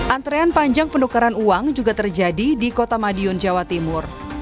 antrean panjang penukaran uang juga terjadi di kota madiun jawa timur